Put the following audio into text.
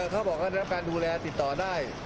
เขาบอกกั้นรับการดูแลติดต่อได้